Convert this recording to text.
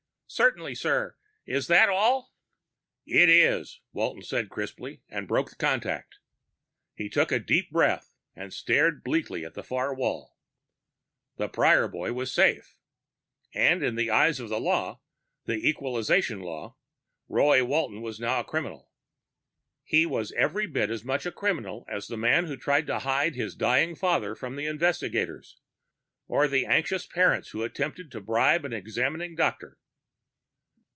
"Certainly, sir. Is that all?" "It is," Walton said crisply, and broke the contact. He took a deep breath and stared bleakly at the far wall. The Prior boy was safe. And in the eyes of the law the Equalization Law Roy Walton was now a criminal. He was every bit as much a criminal as the man who tried to hide his dying father from the investigators, or the anxious parents who attempted to bribe an examining doctor.